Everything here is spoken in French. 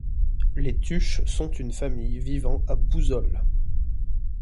Les Tuche sont une famille vivant à Bouzolles.